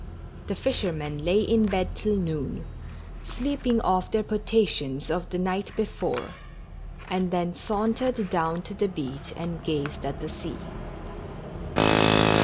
The fishermen lay in bed till noon, sleeping off their potations of the night before, and then sauntered down to the beach, and gazed at the sea.